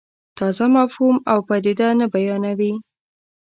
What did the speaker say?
تازه مفهوم او پدیده نه بیانوي.